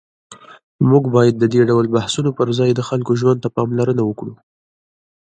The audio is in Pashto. موږ باید د دې ډول بحثونو پر ځای د خلکو ژوند ته پاملرنه وکړو.